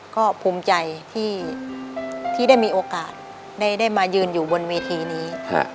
ก็ภูมิใจที่ได้มีโอกาสได้มายืนอยู่บนเวทีนี้